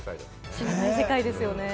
知らない世界ですよね。